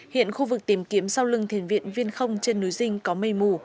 hiện khu vực tìm kiếm sau lưng thiền viện viên không trên núi dinh có mây mù